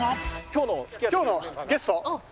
今日のゲスト。